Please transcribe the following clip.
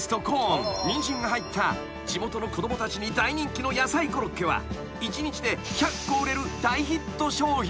ニンジンが入った地元の子供たちに大人気のやさいコロッケは一日で１００個売れる大ヒット商品］